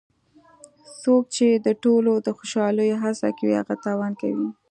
څوک چې د ټولو د خوشحالولو هڅه کوي هغه تاوان کوي.